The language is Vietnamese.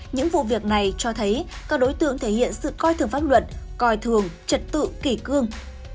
những vụ việc này cho thấy các đối tượng thể hiện sự coi thường pháp luật coi thường trật tự kỷ cương